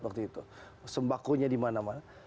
waktu itu sembakunya dimana mana